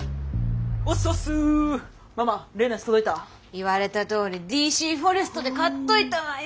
言われたとおりＤＣフォレストで買っといたわよ。